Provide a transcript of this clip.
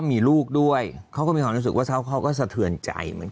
มีลูกด้วยเขาก็มีความรู้สึกว่าเขาก็สะเทือนใจเหมือนกัน